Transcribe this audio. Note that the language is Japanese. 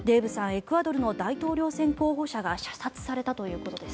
エクアドルの大統領選候補者が射殺されたということです。